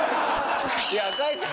いや赤井さん。